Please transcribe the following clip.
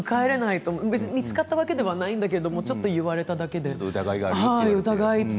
見つかったわけではないんだけどちょっと言われただけで疑いと。